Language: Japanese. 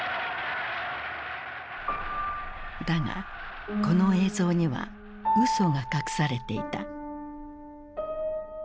だがこの映像には嘘が隠されていた。